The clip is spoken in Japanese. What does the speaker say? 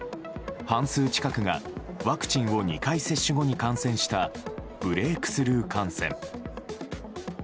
半数近くがワクチンを２回接種後に感染したブレークスルー感染。